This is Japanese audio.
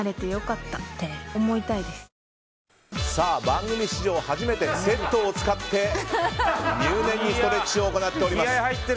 番組史上初めてセットを使って入念にストレッチを行っております。